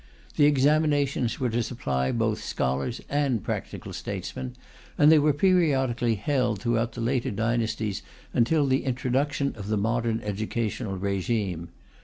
The examinations were to supply both scholars and practical statesmen, and they were periodically held throughout the later dynasties until the introduction of the modern educational regime.